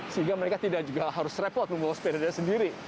sehingga mereka tidak juga harus repot membawa sepedanya sendiri